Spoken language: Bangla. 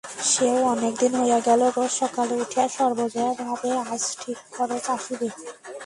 সেও অনেক দিন হইয়া গোল-রোজ সকালে উঠিয়া সর্বজয়া ভাবে আজ ঠিক খরচ আসিবে।